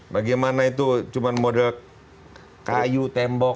bagaimana itu cuma model kayu tembok